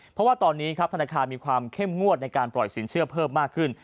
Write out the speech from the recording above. เพราะว่าตอนนี้ครับธนาคารมีความเข้มงวดในการปล่อยสินเชื่อเพิ่มมากขึ้น